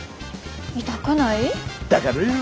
痛くない？だからよ。